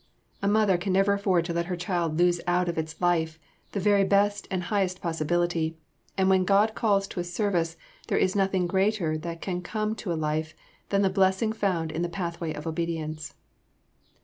'" A mother can never afford to let her child lose out of its life the very best and highest possibility, and when God calls to a service, there is nothing greater that can come to a life than the blessing found in the pathway of obedience.